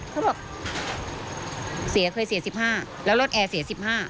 เขาบอกเสียเคยเสีย๑๕แล้วรถแอร์เสีย๑๕